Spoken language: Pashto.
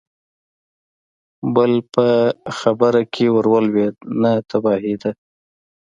بل په خبره کې ور ولوېد: نه، تباهي ده!